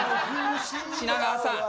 品川さん。